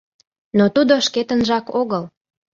Но тудо шкетынжак огыл.